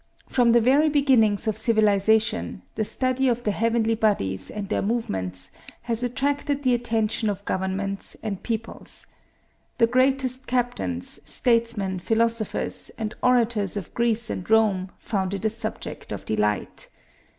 From the very beginnings of civilization the study of the heavenly bodies and their movements has attracted the attention of governments and peoples. The greatest captains, statesmen, philosophers, and orators of Greece and Rome found it a subject of delight.